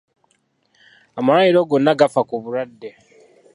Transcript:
Amalwaliro gonna gafa ku balwadde.